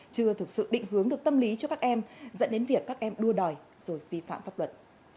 chưa thực sự định hướng được tâm lý cho các em dẫn đến việc các em đua đòi rồi vi phạm pháp luật